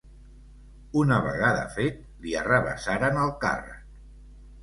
Una vegada fet, li arrabassaran el càrrec.